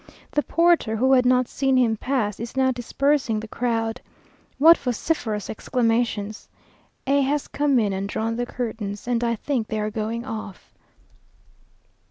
The porter, who had not seen him pass, is now dispersing the crowd. What vociferous exclamations! A has come in and drawn the curtains, and I think they are going off.